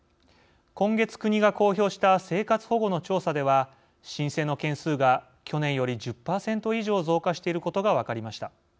今月、国が公表した生活保護の調査では申請の件数が去年より１０％以上増加していることが分かりました。